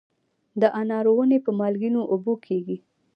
د انارو ونې په مالګینو اوبو کیږي؟